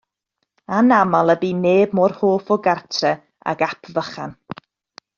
Anaml y bu neb mor hoff o gartref ag Ap Vychan.